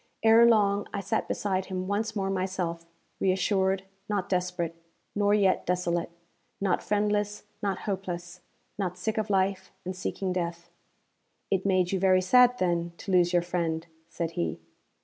Ere long I sat beside him once more myself reassured, not desperate, nor yet desolate; not friendless, not hopeless, not sick of life and seeking death. 'It made you very sad, then, to lose your friend?' said he.